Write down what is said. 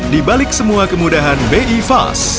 di balik semua kemudahan bi fast